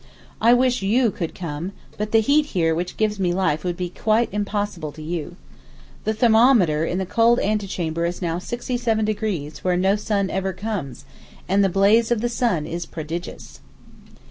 I wish you could come, but the heat here which gives me life would be quite impossible to you. The thermometer in the cold antechamber now is 67° where no sun ever comes, and the blaze of the sun is prodigious.